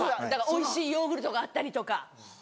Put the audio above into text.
おいしいヨーグルトがあったりとか。